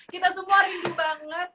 kita semua rindu banget